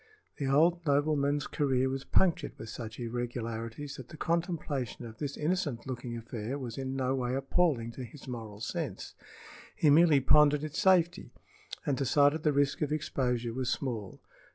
The old nobleman's career was punctured with such irregularities that the contemplation of this innocent looking affair was in no way appalling to his moral sense. He merely pondered its safety, and decided the risk of exposure was small.